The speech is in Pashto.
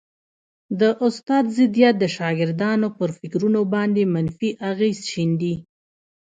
د استاد ضدیت د شاګردانو پر فکرونو باندي منفي اغېز شیندي